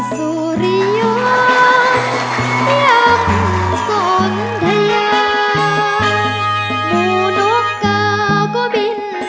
สู้ค่ะ